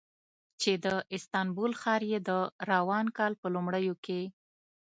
چې د استانبول ښار یې د روان کال په لومړیو کې